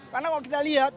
karena kalau kita lihat